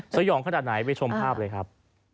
สยองขนาดไหนไปชมภาพเลยครับ